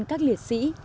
các liệt sĩ